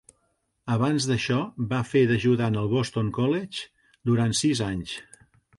Abans d'això va fer d'ajudant al Boston College durant sis anys.